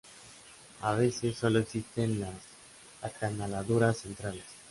A veces sólo existen las acanaladuras centrales.